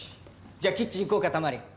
じゃあキッチン行こうかタマリン。